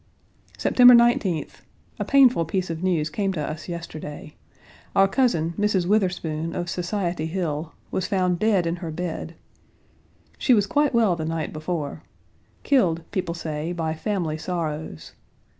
September 19th. A painful piece of news came to us yesterday our cousin, Mrs. Witherspoon, of Society Hill, was found dead in her bed. She was quite well the night before. Killed, people say, by family sorrows.